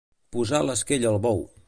Posar l'esquella al bou.